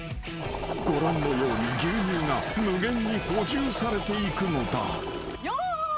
［ご覧のように牛乳が無限に補充されていくのだ］用意。